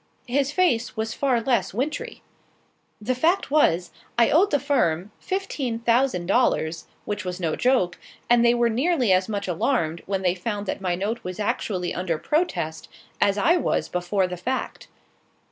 His face was far less wintry. The fact was, I owed the firm fifteen thousand dollars, which was no joke; and they were nearly as much alarmed, when they found that my note was actually under protest, as I was before the fact.